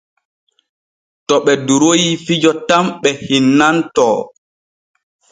To ɓe duroy fijo tan ɓe hinnantoo.